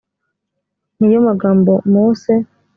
ni yo magambo mose